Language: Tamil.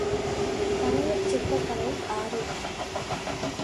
தமிழர் சிற்பக் கலை ஆறு.